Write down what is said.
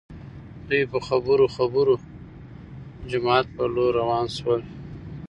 دوي په خبرو خبرو د جومات په لور راوان شول.